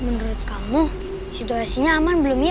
menurut kamu situasinya aman belum ya